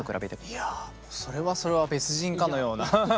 いやそれはそれは別人かのような。